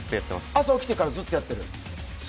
朝起きてからずっとやる？